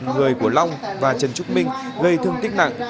một người của long và trần trúc minh gây thương tích nặng